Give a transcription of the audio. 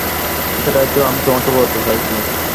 সেটাই তো আমি তোমাকে বলতে চাইছি।